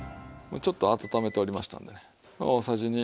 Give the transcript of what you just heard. ちょっと温めてありましたんで大さじ２。